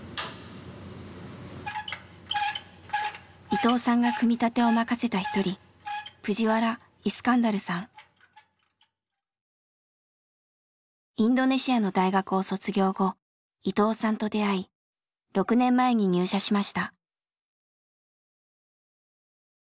伊藤さんが組み立てを任せた一人インドネシアの大学を卒業後伊藤さんと出会い６年前に入社しました。